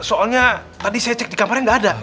soalnya tadi saya cek di kamarnya nggak ada